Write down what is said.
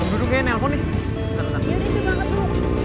om dudung nelpon kayaknya